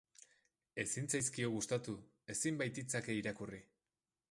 Ezin zaizkio gustatu, ezin baititzake irakurri.